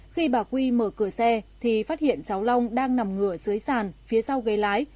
khi bà quy mở cửa xe thì phát hiện cháu long đang nằm ngửa dưới sàn phía sau gây lái